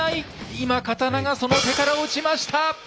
今刀がその手から落ちました！